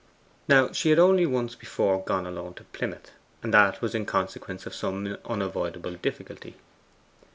Now, she had only once before gone alone to Plymouth, and that was in consequence of some unavoidable difficulty.